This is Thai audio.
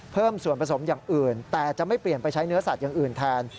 เพิ่มส่วนผสมอย่างอื่นแต่จะไม่เปลี่ยนไปใช้เนื้อสัตว์อย่างอื่นแทน